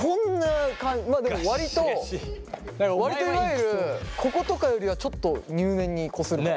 まあでも割と割といわゆるこことかよりはちょっと入念にこするかも。